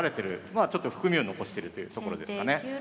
ちょっと含みを残してるというところですかね。